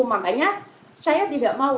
makanya saya tidak mau